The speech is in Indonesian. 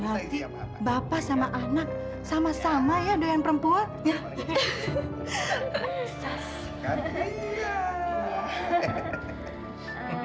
nanti bapak sama anak sama sama ya doyan perempuan